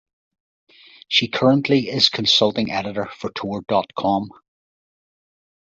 She currently is consulting editor for Tor dot com.